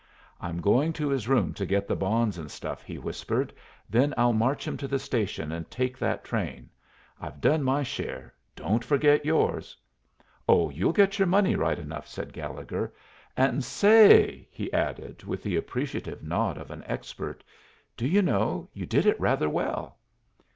"I'm going to his room to get the bonds and stuff," he whispered; "then I'll march him to the station and take that train. I've done my share; don't forget yours!" "Oh, you'll get your money right enough," said Gallegher. "And, sa ay," he added, with the appreciative nod of an expert, "do you know, you did it rather well."